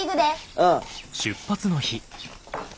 うん。